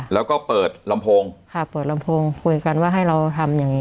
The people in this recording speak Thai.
แล้วก็เปิดลำโพงค่ะเปิดลำโพงคุยกันว่าให้เราทำอย่างงี